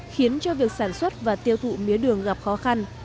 khiến cho việc sản xuất và tiêu thụ mía đường gặp khó khăn